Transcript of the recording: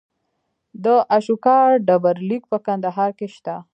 د اشوکا ډبرلیک په کندهار کې شته